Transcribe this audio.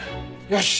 よし！